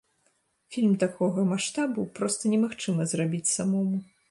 Фільм такога маштабу проста немагчыма зрабіць самому.